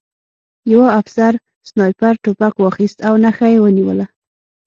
یوه افسر سنایپر توپک واخیست او نښه یې ونیوله